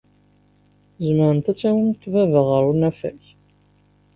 Tzemremt ad tawimt baba ɣer unafag?